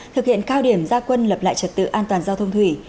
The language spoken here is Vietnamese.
thực hiện cao điểm gia quân lập lại trật tự an toàn giao thông thủy